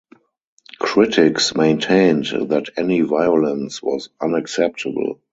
Critics maintained that any violence was unacceptable.